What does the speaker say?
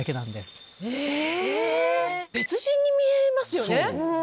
別人に見えますよね。